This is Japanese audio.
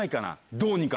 どうにか。